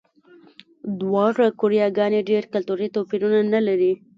دواړه کوریاګانې ډېر کلتوري توپیرونه نه لري.